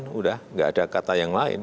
sudah tidak ada kata yang lain